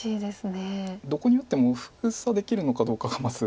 どこに打っても封鎖できるのかどうかがまず。